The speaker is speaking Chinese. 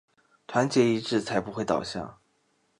团结一致才不会倒下